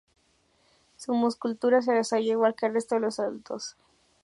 Su musculatura se desarrolla igual que al resto de los adultos.